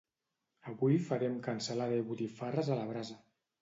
Avui farem cansalada i botifarres a la brasa